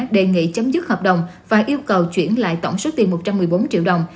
đề nghị chấm dứt hợp đồng và yêu cầu chuyển lại tổng số tiền một trăm một mươi bốn triệu đồng